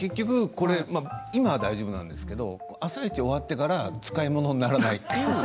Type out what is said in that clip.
今は大丈夫なんですけど「あさイチ」終わってから使い物にならない